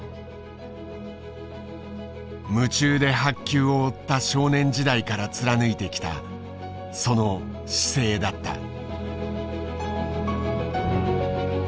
夢中で白球を追った少年時代から貫いてきたその姿勢だった。